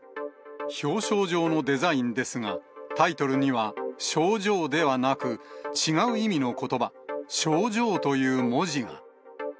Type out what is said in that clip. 表彰状のデザインですが、タイトルには賞状ではなく、違う意味のことば、症状という文字が。